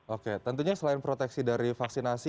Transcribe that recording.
oke tentunya selain proteksi dari vaksinasi